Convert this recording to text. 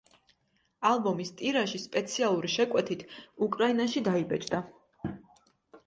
ალბომის ტირაჟი სპეციალური შეკვეთით უკრაინაში დაიბეჭდა.